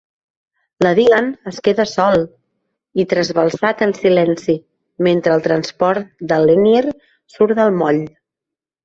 La Delenn es queda sol i trasbalsat en silenci mentre el transport del Lennier surt del moll.